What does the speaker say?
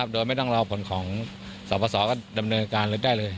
โดยไม่ต้องรอผลของสปสอก็ดำเนินการได้เลย